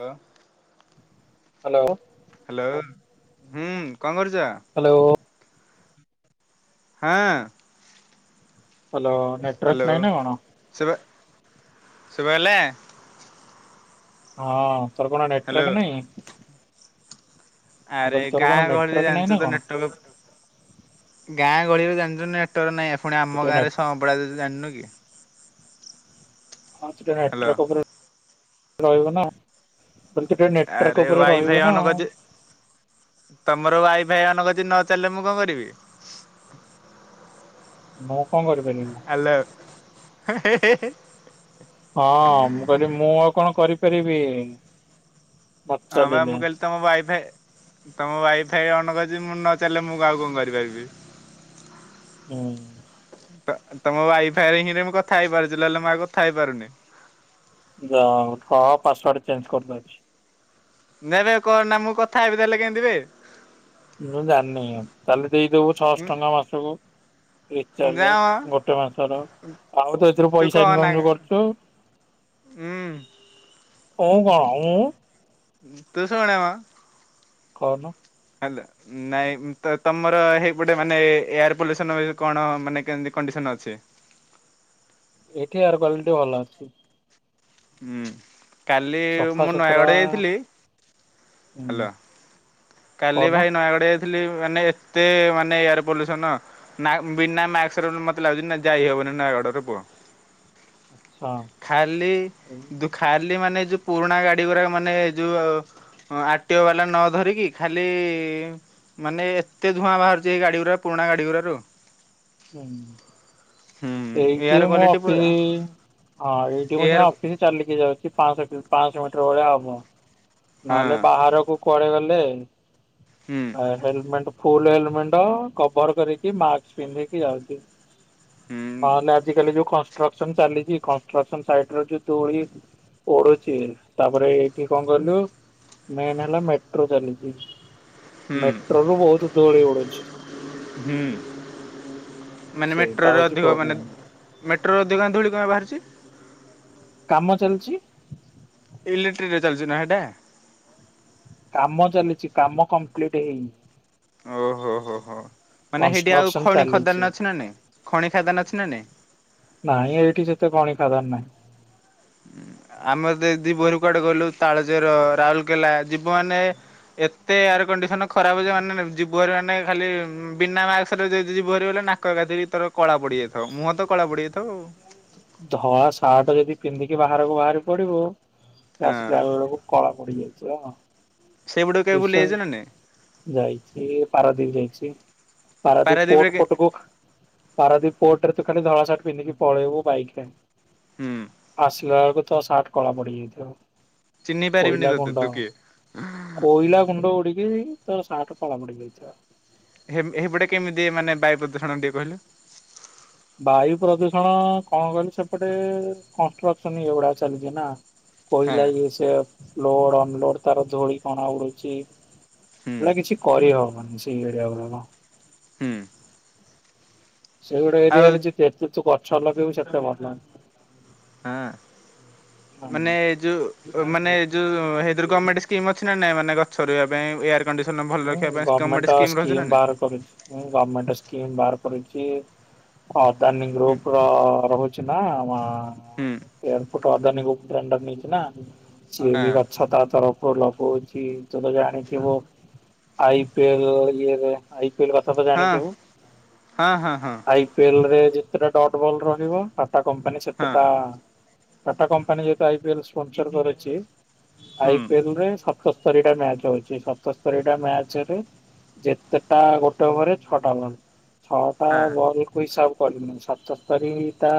କୁହ। Hello. Hello ହୁଁ କଣ କରୁଛ? ହ୍ୟାଲୋ ହଁ। ହାଲୋ ହ୍ୟାଲୋ ନେଟୱାର୍କ ନାହିଁ ନା କଣ? ଶୁଭା ଗଲା? ହଁ ତୋର କଣ ହ୍ୟାଲୋ ନେଟୱର୍କ ନାହିଁ? ଆରେ ଗାଁ ଗହଳିରେ ନାଇଁ ଜାଣିଛୁ ନା ତ କଣ? ନେଟୱର୍କ ଗାଁ ଗହଳିରେ ଜାଣିଛୁ ନେଟୱାର୍କ ନାହିଁ ପୁଣି ତୁ ଆମ ଟିକେ ନେଟ ଗାଁରେ ଦୋଉଛି ତୁ ଜାଣିନୁ କି? ହଁ ଟିକେ ହ୍ୟାଲୋ ହାଟ୍ରକ ଉପରେ ରହିବ ନାଁ। ଆରେ ୱାଇଫାଇ ଅନ କରଚି ତମର ୱାଇଫାଇ ଅନ କ ରିଚି ଯଦି ନ ଚାଲଲେ ମୁଁ କଣ କରିବି? ମୁଁ କଣ କରିବି? ହାଲୋ ହେ-ହେ-ହେ। ହଁ ମୁଁ କହିଲି ମୁଁ ଆଉ କଣ କରିପାରିବି। ହଁ ବା ପଚାରିଲେ ମୁଁ କହିଲି ତମ ୱାଇଫାଇ ତମ ୱାଇଫାଇ ଅନ କରିଚି ମୁଁ ନଚାଲିଲେ ମୁଁ ଆଉ କଣ କରିପାରିବି। ହୁଁ। ତ ତମ ୱାଇଫାଇରେ ହିଁ ରେ ମୁଁ କଥା ହେଇପାରୁଛି, ନହେଲେ ମୁଁ ଆଉ କଥା ହେଇପାରୁନି। ଯାହା ହଉ ହ ପାସୱାର୍ଡ ଚେଞ୍ଜ କରିଦଉଛି। ନାଇଁ ନାଇଁ କରନା ମୁଁ କଥା ହେବି ତାହେଲେ କେମିତି ବେ? ମୁଁ ଜାଣିନି ତାହେଲେ ଦେଇଦବୁ ଛଅଶ ଟଙ୍କା ଉଁ ମାସକୁ। ଯା ରିଚାର୍ଜ ମ ଗୋଟେ ମାସର। ଆଉ ତୁ ଏଥିରୁ ପଇସା ଇନକମ ଯୋଉ କରୁଛୁ। ହୁଁ। ଓ କଣ ହୁଁ। [unintelligible] ମ କହୁନୁ। ହେଲେ ନାଇଁ ତ ତମର ହେଇପଟେ ମାନେ ଏୟାର ପଲ୍ୟୁସନ କଣ ମାନେ କେମତି କଡିସ ନ ଅଛି। ଏଠିକାର କ୍ୱାଲିଟି ଭଲ ଅଛି। ହୁଁ କାଲି ମୁଁ ସଫାସୁତୁରା ନୟାଗଡ଼ ଯାଇଥିଲି ହୁଁ। ହାଲୋ କାଲି କହୁନ ଭାଇ ନୟାଗଡ଼ ଯାଇ ଥିଲି ମାନେ ଏତେ ମାନେ ଏୟାର ପଲ୍ୟୁସନ, ନା ବିନା ମାସ୍କ ରେ ମତେ ଲାଗୁଛି ଯାଇ ହବ ନି ନୟାଗଡ଼ରେ ପୁଅ ଆଚ୍ଛା ଖାଲି ହୁଁ। ଖାଲି ମାନେ ଯୋଉ ପୁରୁଣା ଗାଡି ଗୁରାକ ମାନେ ଯୋଉ ଆର ଟି ଓ ବାଲା ନ ଧରିକି ଖାଲି ମାନେ ଏତେ ଧୂଆଁ ବାହାରୁଚି ଏ ଗାଡ଼ି ଗୁରା ପୁରୁଣା ଗାଡ଼ି ଗୁଡାରୁ। ହୁଁ ଏଇଠି ଏୟାର ମୋ କ୍ଵାଲିଟି ପୁରା ଅଫିସ ହଁ ଏଇଠି ମୁଁ ଏୟାର ସିନା ଅଫିସ ଚାଲିକି ଯାଉଛି ପାଂଶହ କିଲୋ ପାଂଶହ ମିଟର ଭଳିଆ ହବ ହଁ ନହେଲେ ବାହାରକୁ କୁଆଡେ ଗଲେ ହୁଁ ଆ ହେଲମେଟ ଫୁଲ ହେଲମେଟ କଭର କରିକି ମାସ୍କ ପିନ୍ଧିକି ଯାଉଛି। ହୁଁ ନହେଲେ ଆଜି କାଲି ଯୋଉ କନଷ୍ଟ୍ରକ୍ସନ ଚାଲିଚି କନ୍ରକ୍ସନ ସାଇଟରେ ଯୋଉ ଧୂଳି ପଡୁଛି ତାପରେ ଏଇଠି କଣ କିହିଲୁ ମେନ୍ ହେଲା ମେଟ୍ରୋ ଚାଲିଛି। ହୁଁ ମେଟ୍ରୋରୁୁ ବହୁତ ଧୂଳି ଉଡୁଛି। ହୁଁ ମାନେ ସେଇଟା ମେଟ୍ରୋରେ ହଉଛି ଅଧିକ ମାନେ ପ୍ରୋବ୍ଲେମ ମେଟ୍ରୋରେ ଅଧିକ କାଇଁ ଧୂଳିକଣା ବାହାରୁଛି। କାମ ଚାଲିଛି। ଇିଲେକ୍ଟ୍ରିକରେ ଚାଲିଛି ନା ଏଇଟା। କାମ ଚାଲିଛି, କାମ କମ୍ପ୍ଲିଟ ହେଇନି। ଓହୋ ହୋ ହୋ ମାନେ ସେଇଠି ଆଉ କନଷ୍ଟ୍ରକ୍ସନ ଖଣି ଚାଲିଛି ଖଦାନ ଅଛି ନା ନାଇଁ। ଖଣି ଖାଇଦାନ ଅଛି ନା ନାଇଁ। ନାଇଁ ଏଇଠି ସେତେ ଖଣି ଖାଦାନ ନାହିଁ। ଆମର ତ ଦି ପହରେ କୁଆଡେ ଗଲୁ ତାଳଚେର ରାଉରକେଲା ଯିବ ମାନେ ଏତେ ଏୟାର କଣ୍ଡିସନ ଖରାପ ଯେ ମାନେ ଯିବ ହେରା ମାନେ ଖାଲି ବିନା ମାସ୍କରେ ଯଦି ଯିବୁ ହେରି ବୋଲେ ନାକ କାଧି ଭିତର କଳା ପଡି ଯାଇଥିବ, ମୁହଁ ତ କଳା ପଡି ଯାଇଥିବ ଆଉ। ଧଳା ସାର୍ଟ ଯଦି ପିନ୍ଧିକି ବାହାରକୁ ବାହାରି ପଡିବୁ ସେ ହଁ ଆସିଲା ବେଳକୁ କଳା ପଡି ଯାଇଥିବ ନ ସେଇପଟକୁ କେବେ ବୁଲି ବିଷ ଯାଇଛ ନା ନାଇଁ? ଯାଇଚି ପାରାଦ୍ୱୀପ ଯାଇଚି। ପାରାଦୀପ ପାରାଦ୍ୱୀପରେ ପୋଟ କେ ପଟକୁ ପାରା ପୋର୍ଟରେ ତୁ ଖାଲି ଧଳା ସାଟେ ପିନ୍ଧିକି ପଳେଇବୁ ବାଇକି ରେ। ହୁଁ। ଦେଖିଲାବେଳ କୁ ତୋ ସାଟେ କଳା ପଡିଯାଇଥିବ। ଚିହ୍ନି ପାରିବୁନି କୋଇଲା ତତେ ଗୁଣ୍ଡ ତୁ କିଏ? କୋଇଲା ଗୁଣ୍ଡ ଉଡିକିରି ତମ ସାଟ କଳା ପଡି ଯାଇଥିବ। ଏହିମ୍ ଏହିପଟେ କେମିତି ମାନେ ବାୟୁ ପ୍ରଦୂଷଣ ଦିଏ କହିଲ। ବାୟୁ ପ୍ରଦୂଷଣ କଣ କହିଲି ସେପଟେ କନଷ୍ଟ୍ରକ୍ସନ ଇ ଏଭୁଡା ଚାଲିଚି ନା। ହଁ କହିଲ ସେ ଲୋଡ ଅନଲୋଡ ତାର ଧୋଳି କଣା ଉଡୁଚି। ହୁଁ ସେଇଟା କିଛି କରିହବ । ହୁଁ। ସେଇଗୋଟେ ଆଉ ଏରିଆରେ ଯେ ଏତେ ତୁ ଗଛ ଲଗେଇବୁ ସେତେ ଭଲ। ହଁ। ମାନେ ଏ ଯଉ ମାନେ ଏ ଯୋଉର ଗଣମେଣ୍ଟ ସ୍କିମ ଅଛି ନା ନାଇଁ ମାନେ? କରିବା ପାଇଁ କଣ୍ଡିସନ ଭଲ ହୁଁ ରଖିବା ପାଇଁ ଗଭର୍ଣ୍ଣମେଣ୍ଟ ସ୍କିମ୍ ରହୁଛି ନା ନାଇଁ? ଗମେଣ୍ଟସ୍କିବାଟ ଗମେଣ୍ଟସ୍କି କରିଛି ହ। ଦାନ ହୁଁ ଗ୍ରୁପ ର ରହୁଛି ନା ଆମ ହୁଁ ଏୟପୁଟ ଦାନ ଗ ଡେଣ୍ଡର ନେଇଛି ନା ସିଏ ବି ଗଛ ତା ତରଫ ଭଲପହୁଛି ତ ତ ଜାଣିଥିବ ଆଇ ପିଏଲ ଇଏରେ। କଥା ତ ହଁ ଜାଣିଥିବୁ ହଁ ହଁ ହଁ ଆଇ ପିଏଲ ରେ ଯେତେଟା ଡଟ୍ ବଲ୍ ରହିବ। ଟାଟା କମ୍ପାନୀ ହଁ ହଁ ସେତେଟା ଟାଟା କମ୍ପାନୀ ଯେତୁ ଆଇିଲସର କରିଛି। ହୁଁ ଆଇପିଏଲରେ ସତସ୍ତରୀ ଟା ମ୍ୟାଚ ଅଛି। ଚରେ ଯେତେଟା ଗୋଟେ ଓ ଛଅଟାନ୍। ଛଅଟା ହଁ ବଲକୁ ହିସାବ କରିନୁ ସତସ୍ତରୀ ଟା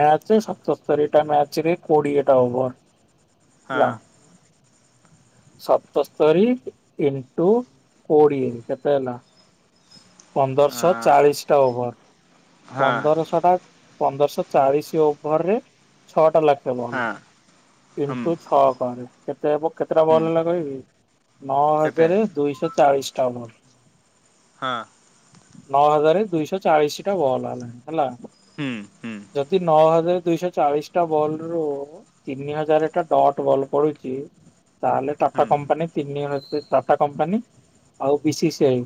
ମ୍ୟାଚ ସପତସ୍ତରୀ ଟା ମ୍ୟାଚରେ କୋଡିଏଟା ଓଭର। ହଁ। ସପତସ୍ତରୀ ଏଣ୍ଟୁ କୋଡ଼ିଏ କେତେ ହେଲା। ପନ୍ଦରଶହ ଚାଳିଶ ଟା ଓଭର ହଁ ପନ୍ଦରଶହ ଟା ପନ୍ଦରଶହ ଚାଳିଶ ଓଭର ରେ ଛଅଟା ଲଖ ତେବନ ହଁ ହୁଁ ଇଣ୍ଟୁ ଛଅ କରେ କେତେ ହବ କେତେଟା ହୁଁ ବଲ ହେଲା କହିବି ଆ କେତେ ଜାରେ ଦୁଇଶହ ଚାଳିଶ ଟା ବଲ୍। ହଁ। ନଅ ହଜାର ଦୁଇଶହ ଚାଳିଶ ଟା ବଲ ହେଲା ହେଲା ହୁଁ ହୁଁ ଯଦି ନଅ ହଜାର ଦୁଇଶହ ଚାଳିଶ ଟା ବଲ ରୁ ତିନି ହଜାର ଟା ଡଟ ବଲ୍ ପଡୁଚି ତାହେଲେ ହୁଁ ଟାଟା କମ୍ପାନୀ ତିନିଣ ଟାଟା କମ୍ପାନୀ ଆଉ ବି ସି ସି ଆଇ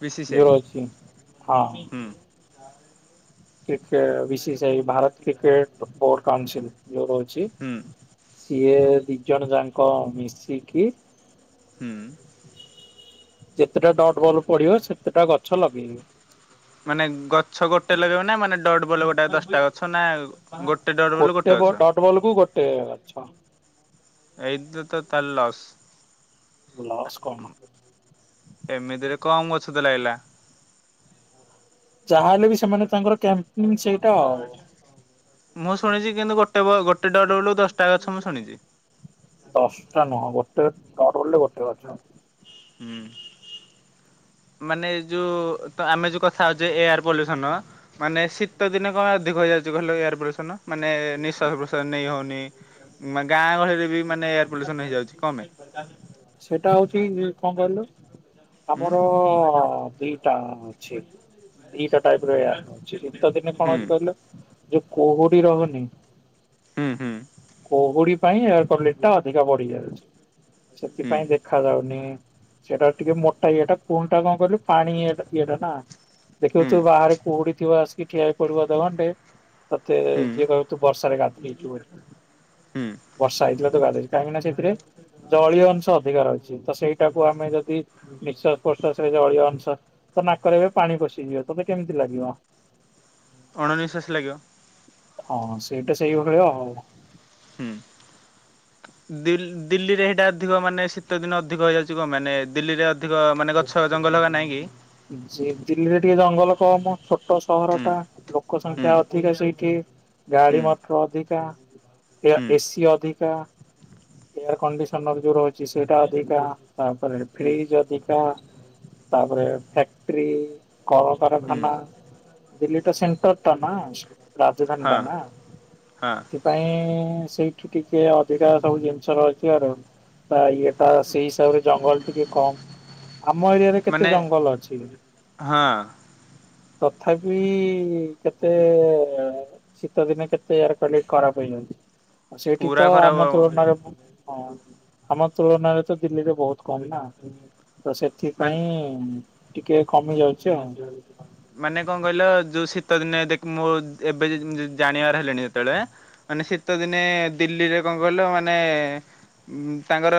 ବିଶି ସାଇ ଯୋଉ ଅଛି ହଁ। ହୁଁ cricket BCCI Bharat cricket board council ଯେଉ ଛି ହୁଁ ସିଏ ଦିଇ ଜଣ ଯାଙ୍କ ମିଶିକି ହୁଁ। ଯେତେଟା ଡଡ ବଲ ପଡିବ ସେତେଟା ଗଛ ଲଗେଇବେ ମାନେ ଗଛ ଗୋଟେ ଲଗେଇବ ନା ମା ଡଡବଲ ଗୋଟେ ଦଶଟା ଅଛ ନା ଗୋଟେ ଡ ବଲ ଗୋଟେ ଅଛ ହେଇଗଲା ଛଅ। ଏଇ ଦ ଦ ତାର ଲସ୍ ଲସ୍ କଣ? ଏମିତିରେ କମ୍ ଗଛ ତ ଲାଗିଲା। ଯାହାହେଲେ ବି ସେମାନେ ତାଙ୍କର କ୍ୟାମ୍ପି ସେଇଟା ଆ ମୁଁ ଶୁଣିଚି କିନ୍ତୁ ଗୋଟେ ଗୋଟେ ଡ ଡବଲୁ ଦଶଟା ଗଛ ମୁଁ ଶୁଣିଚି। ଟା ନୁହଁ ଗୋଟେ ଟ ଟବୁଲରେ ଗୋଟେ ଗଛ। ହୁଁ, ମାନେ ଏ ଯୋଉ ତ ଆମେ ଯୋଉ କଥା ହଉଛେ ଏୟାର ପଲ୍ୟୁସନ ମାନେ ଶୀତ ଦିନେ କଣ ଅଧ ଇଯାଉଛିହ ଏୟାର ପଲ୍ୟୁସନ ମାନେ ନିଶ୍ୱାସ ପ୍ରଶ୍ୱାସ ନେଇ ହଉନି ଗାଁ ଗହଳି ସେଟା ହଉଛି କଣ କହିଲୁ। ହୁଁ ଆମର ଅ ଦିଟା ଅଛି ଦିଟା ଟାଇପ ରେ ଅ ଶିତ ଦିନେ କଣ ହୁଁ ହଉଛି କହିଲେ ଯୋଉ କୁହୁଡି ରହୁନି ହୁଁ ହୁଁ, କୁହୁଡି ପାଇଁ ଏ କ୍ୱାଲିଟଟା ଅଧିକା ବଢି ଯାଉଛି ହୁଁ ସେଥିପାଇଁ ଦେଖା ଯାଉନି। ସେଟା ଟିକେ ମୋଟା ଇଏଟା ପୁଣି ଟା କଣ କହିଲୁ ପାଣି ଇଏଟା ନା ଦେଖିବୁ ହୁଁ ତୁ ବାହାରେ କୁହୁଡି ଥିବ ଆସିକି ଠିଆ ହେଇ ପଡିବ ଅଧ ଘଣ୍ଟେ। ତତେ ହୁଁ ଯିଏ କହିବ ତୁ ବର୍ଷାରେ ଗାଧେଇଚୁ ବୋଲି। ହୁଁ ବର୍ଷା ହେଇଥିଲା ତ ଗାଧ କାହିଁକି ନା ସେଥିରେ ଜଳୀୟ ଅଂଶ ଅଧିକା ରହିଛି ତ ସେଇଟାକୁ ଆମେ ଯଦି ନିଶ୍ୱାସ ପ୍ରଶ୍ୱାସରେ ଜଳୀୟ ଅଂଶ ତ ନାକରେ ଏବେ ପାଣି ପଶିଯିବ ତତେ କେମିତି ଲାଗିବ? ଅଣନିଶଶ୍ଵାସୀ ଲାଗିବ। ହଁ ସେଇଟା ସେଇଭଳିଆ ଆଉ। ହୁଁ, ଦିଲ୍ଲୀ ଦିଲ୍ଲୀରେ ହେ ଇଟା ଅଧିକ ମାନେ ଶୀତ ଦିନ ଅଧିକ ହେଇଯାଉଚି ଗ ମାନେ ଦିଲ୍ଲୀରେ ଅଧିକ ମାନେ ଗଛ ଜଙ୍ଗଲ ହେକା ନାହିଁ କି? ଦିଲ୍ଲୀରେ ଟିକେ ଜଙ୍ଗଲ କମ ଛୋ ଛୋଟ ସହର ହୁଁ ଟା ଲୋକ ସଂଖ୍ୟା ହୁଁ ଅଧିକା ସେଇଠି। ଗାଡି ହୁଁ ମଟର ଅଧିକା ଏୟା ହୁଁ ଏସି ଅଧିକା। ଏୟାର କଣ୍ଡିସନର ଯୋଉ ରହୁଛି ସେଇଟା ଅଧିକା ତାପରେ ହୁଁ ଫ୍ରିଜ ଅଧିକା। ତାପରେ ଫ୍ୟାକ୍ଟରି ହୁଁ କଳକାରଖାନା, ଦିଲ୍ଲୀ ଟା ସେଣ୍ଟର ଟା ନା ରାଜଧାନୀ ହଁ ଟା ନା। ହଁ ସେଥିପାଇଁ ସେଇଠୁ ଟିକେ ଅଧିକା ସବୁ ଜିନିଷ ରହିଥିବାରୁ ବା ଇଟା ସେଇ ହିସାବରେ ଜଙ୍ଗଲ ଟିକ କମ୍ ଆମ ଏରିଆ ରେ କେତେ ମାନେ ଜଙ୍ଗଲ ଅଛି। ହଁ ତଥାପି କେତେ ଶୀତ ଦିନେ କେତେ ୟାର କଣ୍ଡି କର। ଆଉ ସେଇଠି ତ ପୁରା ଆମ ଖରାପ ହବ ତୁଳନାରେ ହ ଆମ ତୁଳନାରେ ତ ଦିଲ୍ଲୀରେ ବହୁତ କମ୍ ନା। ତ ମାନେ ସେଥିପାଇଁ ଟିକେ କମି ଯାଉଛି ଆଉ। ମାନେ କଣ କହିଲ ଯୋଉ ଶୀତ ଦିନେ ଦେଖ ମୁଁ ଏବେ ଜାଣିବାର ହେଲେଣି ଯେତେଳେ ମାନେ ଶୀତ ଦିନେ ଦିଲ୍ଲୀରେ କଣ କହିଲ ମାନେ ତାଙ୍କର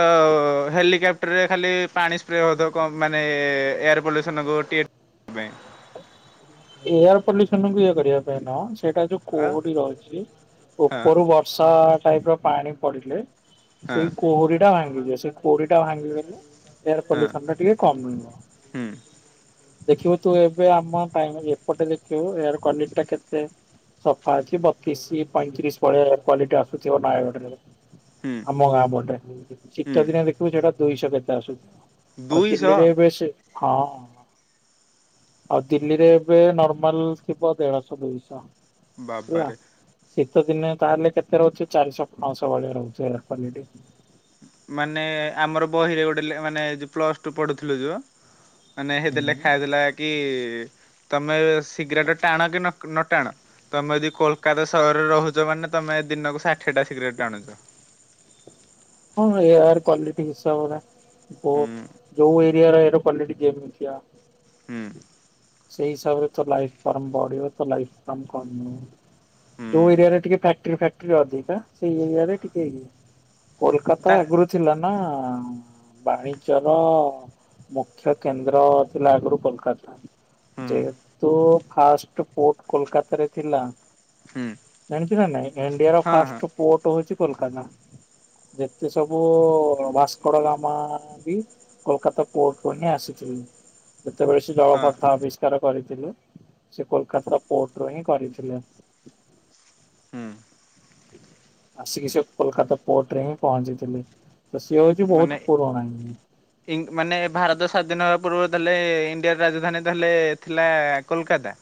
ହେଲିକାପ୍ଟରରେ ଖାଲି ପାଣି ସ୍ପ୍ରେ ହଉଥବ ମାନେଏ ଏୟାରପୋର୍ଟ ବେସନ ଗୋଟିଏ। ଏୟାର ପଲ୍ୟୁସନ କୁ ଇଏ କରିବା ପାଇଁ ନୁହଁ ସେଟା ଯୋଉ ଆଉ କୁହୁଡି ରହିଛି ହଁ ଉପରୁ ବର୍ଷା ଟାଇପ ର ପାଣି ପଡିଲେ, ହଁ ସେଇ କୁହୁଡିଟା ଟା ଭାଙ୍ଗିଯିବ ସେଇ କୁହୁଡିଟା ଭାଙ୍ଗିଗଲେ ଏୟାର ହଁ ପଲ୍ୟୁସନ ଟା ଟିକେ କମିବ ହୁଁ ଦେଖିବୁ ତୁ ଏବେ ଆମ କାଇଁମ ଏପଟେ ଦେଖିବୁ ଏଆର କ୍ୱାଲିଟି ଟା କେତେ। ସଫା ଅଛି ବତିଶ ପଇଁତିରିଶ ଭଳିଆ କ୍ୱାଲିଟି ଆସୁଥିବ ମାୟା ହୁଁ [inaudible] ଆମ ଗାଁ ପଟେ ଶୀତ ହୁଁ ଦିନେ ଦେଖିବୁ ସେଟା ଦୁଇଶହ କେତେ ଆସୁଛି। ଆଉ ତିନି ଦୁଇଶହ ଦେ ବେଶ ହଁ ଆଉ। ଦିଲ୍ଲୀରେ ଏବେ ନର୍ମାଲ ଥିବ ଦେଢଶହ ଦୁଇଶହ। ହେଲା। ବା୍ବାରେ, ଶୀତ ଦିନେ ତାହେଲେ କେତେ ରହୁଚି ଚାରିଶହ ପାଞ୍ଚଶହ ଭଳିଆ ରହୁଛ ଏହାର କ୍ୱାଲିଟି। ମାନେ ଆମର ବହିରେ ଗୋଟେ ମାନେ ଯ ପ୍ଲସ ଟୁ ପଢୁଥିଲୁ ଯୋଉ ମାନେ ହେଇଥେ ଲେଖାହେଇଥିଲା କି। ତମେ ଶୀଘ୍ରଟ ଟାଣ କି ନ ଟାଣ, ତମେ ଯଦି କୋଲକାତା ସହରରେ ରହୁଛ ମ ମାନେ, ତମେ ଦିନକୁ ଷାଠିଏ ଟା ସିଗରେଟ ଟାଣୁଛ ହଁ ୟାର କ୍ୱାଲିଟି ହିସାବରେ ହୁଁ ଯଉ ଏରିଆ ର ଏ [unintelligible] କ୍ଟିମିଆ ହୁଁ ସେଇ ହିସାବରେ ତ ଲାଇ ଫମ ବଢିବ ତ ଲାଇଫ ଫମ କଣ ନହଁ। ଯୋଉ ଏରିଆରେ ହୁଁ ଟିକେ ଫ୍ୟାକ୍ଟି ଫକ୍ଟରି ଅଧିକା ସେଇ ଏରିଆରେ ଟିକେ ଇଏ କୋଲକାତା ତା ଆଗରୁ ଥିଲା ନା ବାଣିଜ୍ୟର ମୁଖ୍ୟ କେନ୍ଦ୍ରଥିଲା, ଆଗରୁ କୋଲକାତା ହୁଁ । ଯେହେତୁ, ଫାଷ୍ଟ ପୋଟ କୋଲକାତାରେ ଥିଲା ହୁଁ । ଜାଣିଛୁ ନା ନାଇଁ, ଇଣ୍ଡିଆର ହଁ ହଁ ଫାଷ୍ଟ ପୋର୍ଟ ହଉଛି କୋଲକାତା । ଯେତେ ସବୁ ଭାସ୍କର ଗାମ ବି କୋଲକାତା କୋର୍ଟରୁୁ ହିଁ ଆସିଥିଲି, ଯେତେବେଳେ ସେ ହଁ ଜଳପଥା ଆବିଷ୍କାର କରିଥିଲୁ। ସେ କୋଲକାତା ପୋର୍ଟରୁ ହିଁ କରିଥିଲେ । ହୁଁ ଆସିକି ସେ କୋଲକାତା ପୋର୍ଟ ରେ ହିଁ ପହଞ୍ଚିଥିଲେ ତ ସିଏ ହଉଛି ମାନେ ବହୁତ ପୁରୁଣା ଇଂ ମାନେ ଭାରତ ସ୍ଵାଧୀନ ହେବା ପୂର୍ବରୁ ତାହଲେ ଇଣ୍ଡିଆର ରାଜଧାନୀ ତାହଲେ ଥିଲା -କୋଲକାତା ।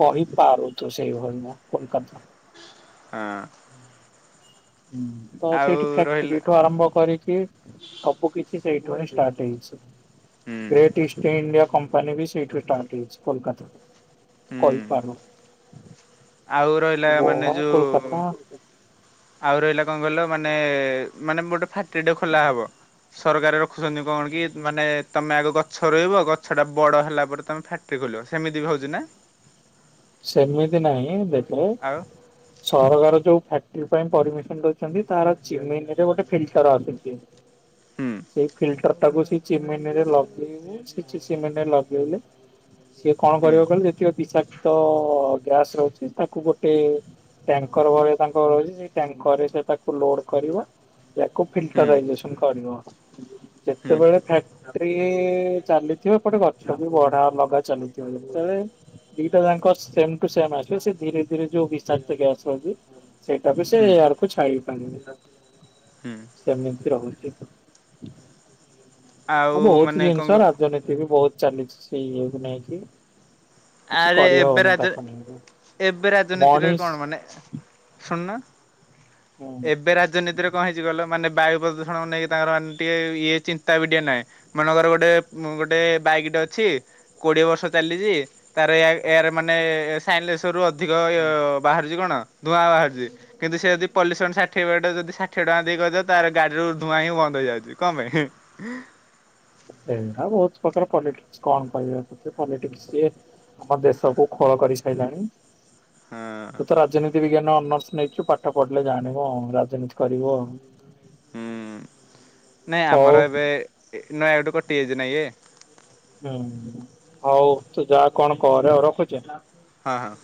କହିପାରୁ, ତୁ ସେଇଭଳିନା କୋଲକତା । ହଁ ତ ଆଉ ସେଇଠି ରହିଲା ଫ୍ୟାକ୍ଟ୍ରିଠୁ ଆରମ୍ଭ କରିକି ସବୁ କିଛି ସେଇଥିପାଇଁ ଷ୍ଟାର୍ଟ ହେଇଛି ହୁଁ । ଗ୍ରେଟ୍ ଇଷ୍ଟ ଇଡିଆ କମ୍ପାନୀ ବି ସେଇଠୁଷ୍ଟାର୍ ହେଇଛି, କୋଲକାତା । ହୁଁ କହିପାରୁ। ଆଉ ରହିଲା ମାନେ, ଯୋଉ କୋଲକାତା ଆଉ ରହିଲା କଣ କହିଲ ମାନେ, ମାନେ ଗୋଟେ ଫାଟିଟେ ଖୋଲା ହବ ସରକାର ରଖୁଛନ୍ତି କଣ କି -ମାନେ ତମେ ଆଗ ଗଛ ରହିବ, ଗଛ ଟା ବଡ ହେଲା ପରେ ତମେ ଫ୍ୟାକ୍ଟ୍ରି ସେମିତି ବି ହଉଛି ନା ସେମିତି ନାହିଁ, ଦେଖ, ଆଉ ସରକାର ଯୋଉ ଫ ପରମିସନ ଦଉଛନ୍ତି, ତାର ଚମରେ ଗୋଟେ ଫିଲ୍ଟର ଆସୁଛି । ହୁଁ ସେଇ ଫିଲ୍ଡ ତାକୁ ସେ ଚିମିନ ରେ ଲଗେଇବୁ ସେ ଚି ଚିମିନରେ ଲଗେଇଲେ ସିଏ କଣ ହୁଁ କରିବ କହିଲ -ଯେତିକ ବିଷାକ୍ତ ଗ୍ୟାସ ରହୁଛି ତାକୁ ଗୋଟେ ଟ୍ୟାଙ୍କର ଭଳିଆ ତାଙ୍କ ରହିଛି, ସେ ଟ୍ୟାଙ୍କର ରେ ସେ ତାକୁ ଲୋଡ କରିବ ଏହାକୁ ହୁଁ ଫିଲ୍ଟର ଇଜେକ୍ସନ କରିବ । ହୁଁ ଯେତେବେଳେ ଫ୍ୟାକ୍ଟ୍ରି ଚାଲିଥିବ, ପଟେ ଗଛ ବି ବଢା ଲଗା ଚାଲିଥିବ । ଦ [unintelligible] ତାଙ୍କ ସେ ଟ ସେ ଆସିବେ ସେ ଧୀରେ ଧୀରେ ଯୋଉ ବିଶାକ୍ତ ଟ ଆସନ୍ତି ସେଇଟା ବି ସେ [unintelligible] [unintelligible] ପାୀ ହ [inaudible] ସେମିତି ରହୁଚିତ । ଆଉ ବହୁତ ମାନେ କଣ କ ଜିନିଷ, ରାଜନୀତି ବି ବହୁତ ଚାଲିଛି, ସେ ବି ନାଇଁ କି ଆରେ ଏବେ ରାଜ, ଏବେ ରାଜନୀତିରେ ମଣିଷ କଣ ମାନେ ଶୁଣନ, ହୁଁ ଏବେ ରାଜନୀତିରେ କଣ ହେଇଛି କହିଲ? ମାନେ ବାୟୁ ପ୍ରଦୂଷଣକୁ ନେଇକି ତାଙ୍କର ମାନେ ଟିକେ ଇଏ ଚିନ୍ତା ବି ଟିକେ ନାହିଁ, ମନେକର ଗୋଟେ ଗୋଟେ ବାଇକ୍ ଟେ ଅଛି, କୋଡିଏ ବର୍ଷ ଚାଲିଛି । ତାର ଏୟାର ମାନେ ସାଇଲେସରରୁ ଅଧିକ ବାହାରୁଛି କଣ? ଧୂଆଁ ବାହାରୁଛି କିନ୍ତୁ ସେ ଯଦି ପଲୁସନ ଷାଠିଏ ଯଦି ଷାଠିଏ ଟଙ୍କା ଦେଇଦଅ ତାର ଗଡି ର ଧୂଆଁ ହିଁ ବ ଯାଉଛି କଣ ପାଇଁ? ଏଇଟ ବହୁତ ପ୍ରକାର ପଲିିକସ କଣ କହିବ ।ପଲିଟିଷକି ଆମ ଦେଶ କୁ ଖୋଳ କରି ସାରିଲାଣି । ହଁ ବିଜ୍ଞାନ ଅନର୍ସ ନେଇଛୁ ପା ହୁଁ ନାଇଁ ହଉ ଆମର ଏବେ ନୂଆ ଗୋଟେ କଟି ଯାଇଛି ନାଇଁ ଏ ହୁଁ ହଉ ତୁ ଯାହା କଣ କରରେ ଆଉ ରଖୁ ହଁ ହଁ।